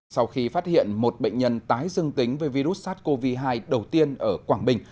sau khi phát hiện một bệnh nhân tái dương tính với virus sars cov hai đầu tiên ở quảng bình